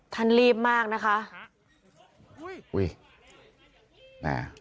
ท่านรีบมากนะคะ